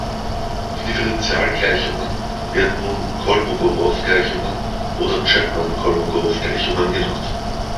Die Differenzialgleichungen werden nun Kolmogorow-Gleichungen oder Chapman-Kolmogorow-Gleichungen genannt.